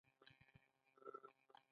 له مانه ولې خفه یی؟